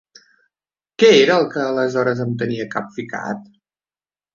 Que era el que aleshores em tenia capficat?.